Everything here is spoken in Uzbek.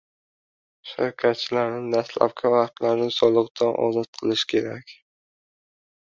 shirkatchilarni dastlabki vaqtlarda soliqdan ozod qilish kerak.